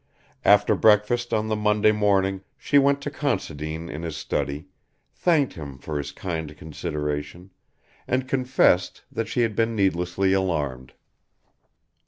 After breakfast on the Monday morning she went to Considine in his study, thanked him for his kind consideration, and confessed that she had been needlessly alarmed.